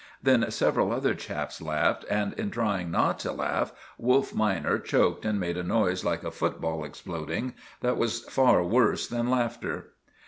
Then several other chaps laughed, and in trying not to laugh, Wolf minor choked and made a noise, like a football exploding, that was far worse than laughter.